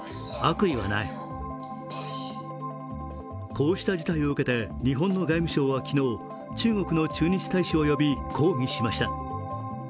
こうした事態を受けて日本の外務省は昨日、中国の駐日大使を呼び、抗議しました。